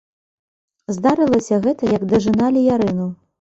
Здарылася гэта, як дажыналі ярыну.